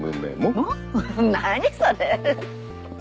何それ。